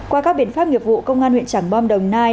qua các biện pháp nghiệp vụ công an huyện trảng bom đồng nai